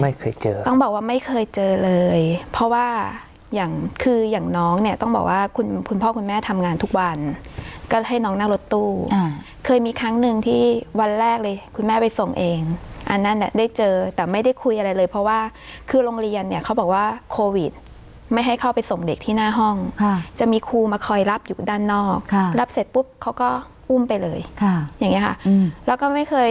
ไม่เคยเจอต้องบอกว่าไม่เคยเจอเลยเพราะว่าอย่างคืออย่างน้องเนี่ยต้องบอกว่าคุณพ่อคุณแม่ทำงานทุกวันก็ให้น้องนั่งรถตู้เคยมีครั้งหนึ่งที่วันแรกเลยคุณแม่ไปส่งเองอันนั้นได้เจอแต่ไม่ได้คุยอะไรเลยเพราะว่าคือโรงเรียนเนี่ยเขาบอกว่าโควิดไม่ให้เข้าไปส่งเด็กที่หน้าห้องจะมีครูมาคอยรับอยู่ด้านนอกรับเสร็